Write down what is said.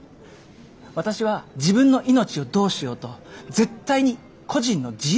私は自分の命をどうしようと絶対に個人の自由だと思ってますね。